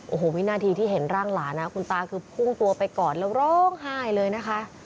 โอ้โหวินาทีที่เห็นร่างหลานนะคุณตาคือพุ่งตัวไปก่อนแล้วร้องไห้เลยนะคะ